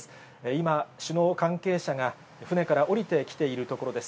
今、首脳関係者が船から降りてきているところです。